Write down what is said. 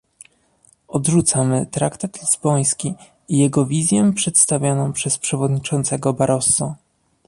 Odrzucamy traktat lizboński i jego wizję przedstawioną przez przewodniczącego Barroso